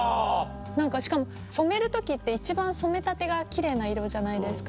何かしかも染める時って一番染めたてが奇麗な色じゃないですか。